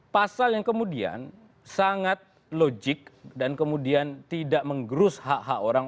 pasal yang kemudian sangat logik dan kemudian tidak menggerus hak hak orang